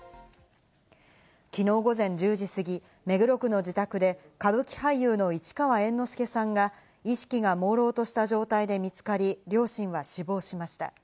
きのう午前１０時過ぎ、目黒区の自宅で歌舞伎俳優の市川猿之助さんが、意識がもうろうとした状態で見つかり、両親は死亡しました。